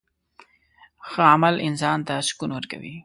ښه عمل انسان ته سکون ورکوي.